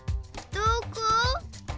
どこ？